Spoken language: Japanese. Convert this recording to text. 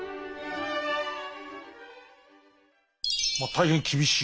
まあ大変厳しい。